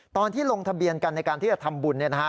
ตอนที่ลงทะเบียนกันในการที่จะทำบุญเนี่ยนะฮะ